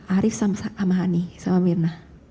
arief sama hani sama mirna